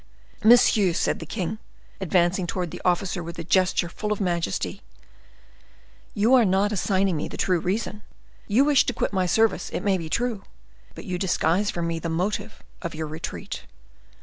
"Monsieur," said the king, advancing towards the officer with a gesture full of majesty, "you are not assigning me the true reason. You wish to quit my service, it may be true, but you disguise from me the motive of your retreat."